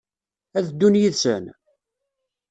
Ad ddun yid-sen?